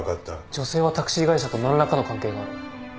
女性はタクシー会社と何らかの関係がある。